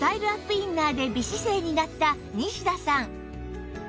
インナーで美姿勢になった西田さん